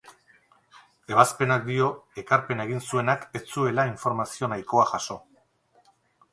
Ebazpenak dio ekarpena egin zuenak ez zuela informazio nahikoa jaso.